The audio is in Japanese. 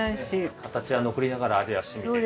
形は残りながら味は染みていくと。